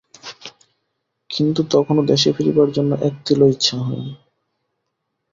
কিন্তু তখনো দেশে ফিরিবার জন্য এক তিলও ইচ্ছা হয় নি।